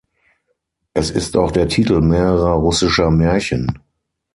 Es ist auch der Titel mehrerer russischer Märchen.